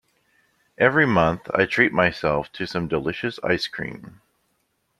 Every month, I treat myself to some delicious ice cream.